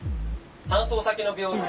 搬送先の病院。